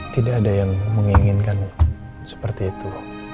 tidak ada yang menginginkan seperti itu